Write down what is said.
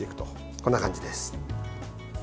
こんな感じです。